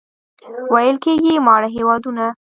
ویل کېږي ماړه هېوادونه.